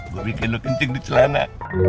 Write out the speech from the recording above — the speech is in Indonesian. gue bikin lo kencing di celana